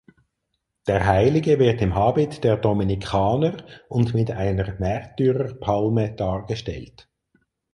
Der Heilige wird im Habit der Dominikaner und mit einer Märtyrerpalme dargestellt.